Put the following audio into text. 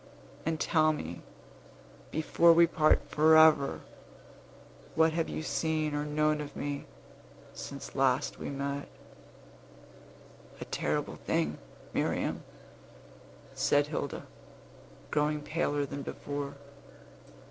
And tell me, before we part forever, what have you seen or known of me, since we last met?" "A terrible thing, Miriam," said Hilda, growing paler than before.